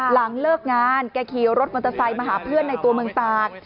หลังเลิกงานแกขี่รถมอเตอร์ไซค์มาหาเพื่อนในตัวเมืองตาก